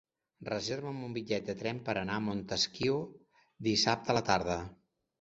Reserva'm un bitllet de tren per anar a Montesquiu dissabte a la tarda.